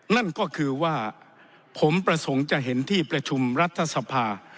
นั่นก็คือว่าผมประสงค์จะเห็นที่ประชุมรัฐสภา